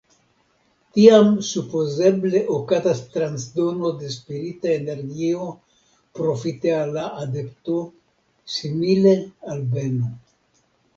Tiam supozeble okazas transdono de spirita energio profite al la adepto, simile al beno.